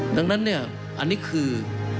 ดังนั้นเนี่ยอันนี้คือ